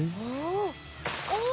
お。